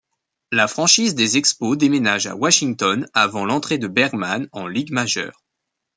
La franchise des Expos déménage à Washington avant l'entrée de Bergmann en Ligue majeure.